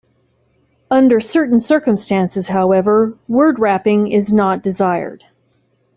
Under certain circumstances, however, word wrapping is not desired.